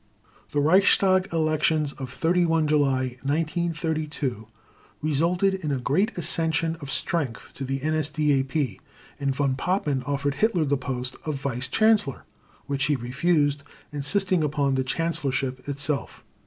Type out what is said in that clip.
The Reichstag elections of 31 July 1932 resulted in a great accession of strength to the NSDAP, and Von Papen offered Hitler the post of Vice Chancellor, which he refused, insisting upon the Chancellorship itself.